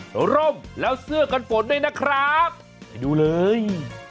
แล้วร่มแล้วเสื้อกันฝนด้วยนะครับไปดูเลย